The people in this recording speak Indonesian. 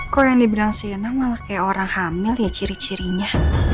kalau yang dibilang sinang malah kayak orang hamil ya ciri cirinya